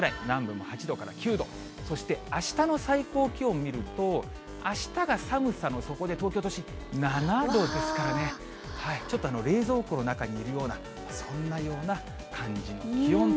南部も８度から９度、そしてあしたの最高気温見ると、あしたが寒さの底で、東京都心７度ですからね、ちょっと冷蔵庫の中にいるような、そんなような感じの気温。